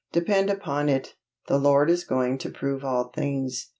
Depend upon it, the Lord is going to prove all things.